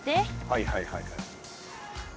はいはいはいはい。